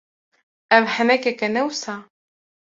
Ev henekek e, ne wisa?